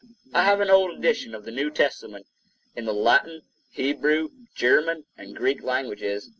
I have an old edition of the New Testament in the Latin, Hebrew, German and Greek languages.